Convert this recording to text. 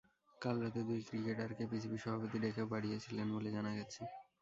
কাল রাতে দুই ক্রিকেটারকে পিসিবি সভাপতি ডেকেও পাঠিয়েছিলেন বলে জানা গেছে।